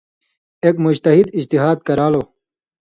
ایک مُجتہِد (اجتہاد کران٘لو)